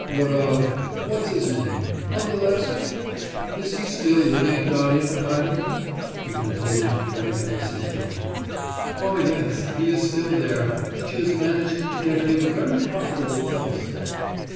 What of what's his name Pandalevsky? is he still living at Darya Mihailovna's?' he concluded, turning to Bassistoff. 'Oh yes, he is still there. She has managed to get him a very profitable place.